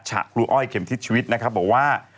ครูอ้อยเข็มทิศชีวิตนะครับบอกว่า